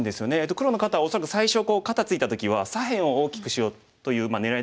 黒の方は恐らく最初肩ツイた時は左辺を大きくしようという狙いだったんですけれども